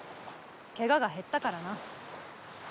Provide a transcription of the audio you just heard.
ケガが減ったからな。